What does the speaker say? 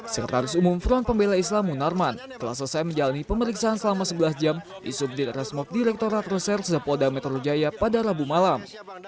sekretaris umum front pembela islam munarman telah selesai menjalani pemeriksaan selama sebelas jam di subdit resmob direkturat reserse polda metro jaya pada rabu malam